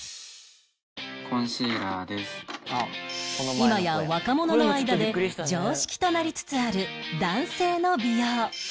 今や若者の間で常識となりつつある男性の美容